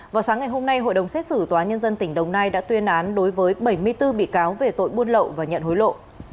vào sáng ngày hôm nay hội đồng xét xử tòa nhân dân tỉnh đồng nai đã tuyên án đối với bảy mươi bốn bị cáo về tội buôn lậu và nhận hối lộ